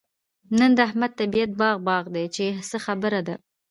نن د احمد طبيعت باغ باغ دی؛ چې څه خبره ده؟